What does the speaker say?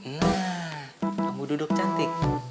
nah kamu duduk cantik